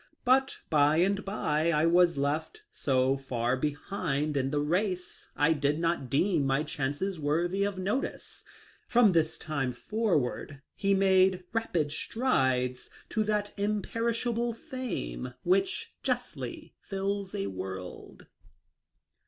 But by and by I THE LIFE OF LINCOLN. 137 was left SO far behind in the race I did not deem my chances worthy of notice. From this time forward he made rapid strides to that imperishable fame which justly fills a world."